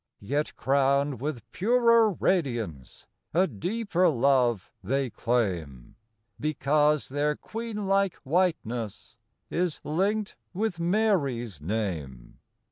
I29 Yet crowned with purer radiance A deeper love they claim, Because their queen like whiteness Is linked with Mary's name.